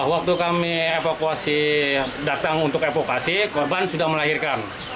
waktu kami datang untuk evakuasi korban sudah melahirkan